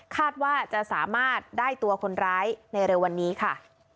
คาดว่าจะสามารถได้ตัวคนร้ายในเร็ววันนี้ค่ะ